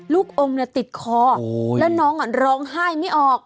ลูกอมติดคอแล้วน้องร้องไห้ไม่ออก